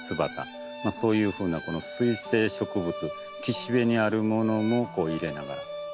そういうふうなこの水生植物岸辺にあるものも入れながら。